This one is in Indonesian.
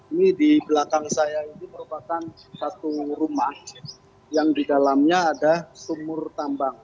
ini di belakang saya ini merupakan satu rumah yang di dalamnya ada sumur tambang